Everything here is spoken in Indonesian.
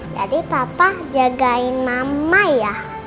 jadi papa jagain mama ya